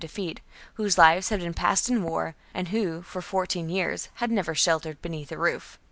c. defeat, whose lives had been passed in war, and who, for fourteen years, had never sheltered beneath a roof 37.